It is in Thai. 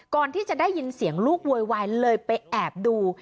ก่อนที่จะได้ยินเสียงลูกโวยวายเลยไปแอบดู